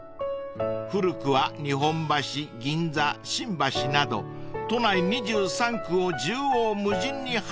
［古くは日本橋銀座新橋など都内２３区を縦横無尽に走っていました］